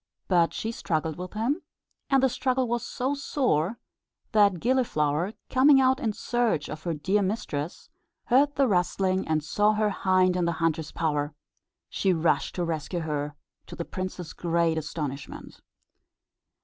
But she struggled with him; and the struggle was so sore that Gilliflower, coming out in search of her dear mistress, heard the rustling, and saw her hind in the hunter's power. She rushed to rescue her, to the prince's great astonishment.